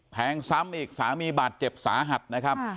แทงซ้ำอีกสามีบาดเจ็บสาหัสนะครับ